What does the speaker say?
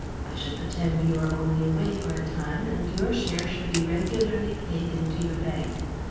I shall pretend you are only away for a time and your share shall be regularly paid in to your bank.